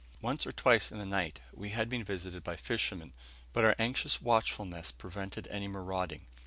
Once or twice in the night we had been visited by fishermen, but our anxious watchfulness prevented any marauding.